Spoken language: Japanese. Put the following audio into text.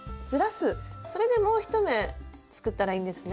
それでもう一目すくったらいいんですね。